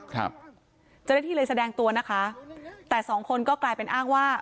เจ้าหน้าที่เลยแสดงตัวนะคะแต่สองคนก็กลายเป็นอ้างว่า